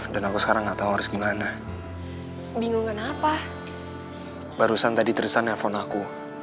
dan aku sekarang nggak tahu harus gimana bingung kenapa barusan tadi terus anefon aku